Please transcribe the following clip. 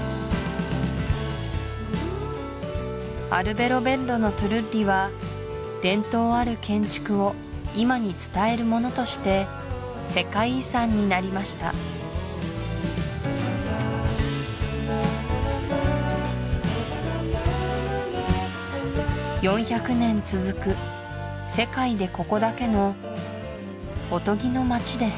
アルベロベッロのトゥルッリは伝統ある建築を今に伝えるものとして世界遺産になりました４００年続く世界でここだけのおとぎの町です